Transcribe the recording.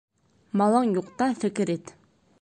Малың юҡта фекер ит.